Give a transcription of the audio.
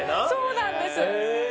そうなんです。